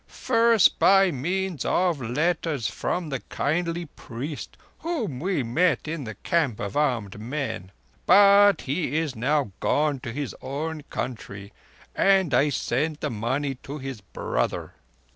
"First by means of letters from the kindly priest whom we met in the camp of armed men; but he is now gone to his own country, and I sent the money to his brother."